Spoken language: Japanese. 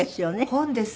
本です。